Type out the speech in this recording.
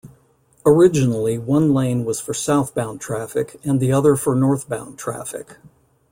Originally, one lane was for southbound traffic and the other for northbound traffic.